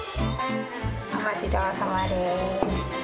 お待ちどおさまです。